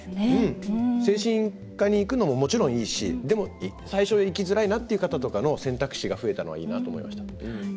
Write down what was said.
精神科に行くのももちろんいいしでも、最初行きづらいなっていう方の選択肢が増えたのはいいなと思いました。